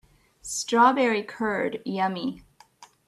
Strawberry curd, yummy!